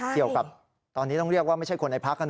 เกี่ยวกับตอนนี้ต้องเรียกว่าไม่ใช่คนในพัก